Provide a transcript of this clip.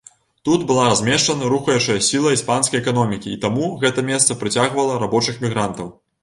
Тут была размешчана рухаючая сіла іспанскай эканомікі, і таму гэта месца прыцягвала рабочых мігрантаў.